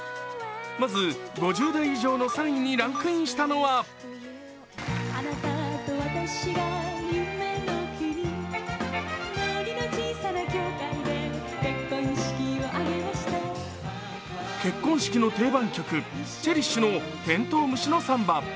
まず５０代以上の３位にランクインしたのは結婚式の定番曲、チェリッシュの「てんとう虫のサンバ」